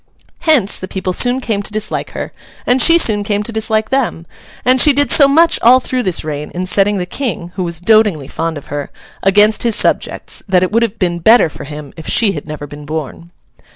Hence, the people soon came to dislike her, and she soon came to dislike them; and she did so much all through this reign in setting the King (who was dotingly fond of her) against his subjects, that it would have been better for him if she had never been born.